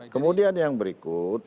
kemudian yang berikut